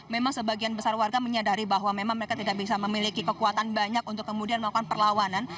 memang sebagian besar warga menyadari bahwa memang mereka tidak bisa memiliki kekuatan banyak untuk kemudian melakukan perlawanan